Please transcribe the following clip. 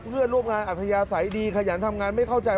เพื่อนร่วมงานอัธยาศัยดีขยันทำงานไม่เข้าใจ